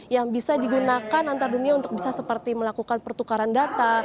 yang bisa digunakan antar dunia untuk bisa seperti melakukan pertukaran data